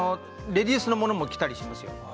レディースのもの着たりもしていますよね。